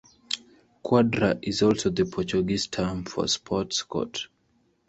Quadra is also the Portuguese term for sports court.